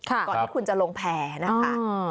ก่อนที่คุณจะลงแผ่นะคะ